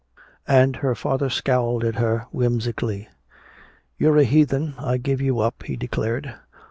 And her father scowled at her whimsically. "You're a heathen. I give you up," he declared.